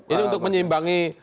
ini untuk menyeimbangi